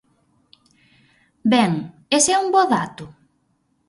Ben, ¿ese é un bo dato?